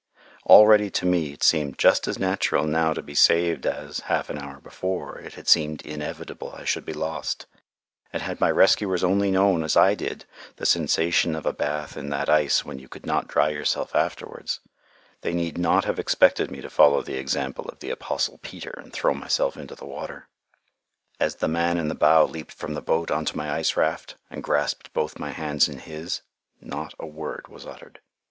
Already to me it seemed just as natural now to be saved as, half an hour before, it had seemed inevitable I should be lost, and had my rescuers only known, as I did, the sensation of a bath in that ice when you could not dry yourself afterwards, they need not have expected me to follow the example of the apostle Peter and throw myself into the water. As the man in the bow leaped from the boat on to my ice raft and grasped both my hands in his, not a word was uttered.